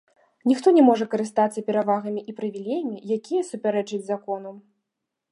Ніхто не можа карыстацца перавагамі і прывілеямі, якія супярэчаць закону.